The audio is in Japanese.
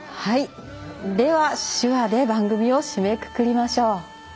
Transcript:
では、手話で番組を締めくくりましょう。